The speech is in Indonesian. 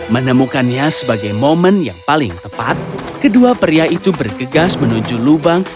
menemukannya sebagai momen yang paling tepat kedua pria itu bergegas menuju lubang